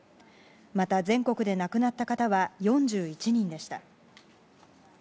また、全国で亡くなった方は４１人でした。